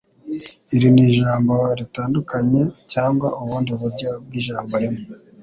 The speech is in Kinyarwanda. Iri ni ijambo ritandukanye cyangwa ubundi buryo bwijambo rimwe?